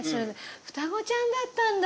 双子ちゃんだったんだ。